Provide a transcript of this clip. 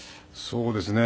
そうですね。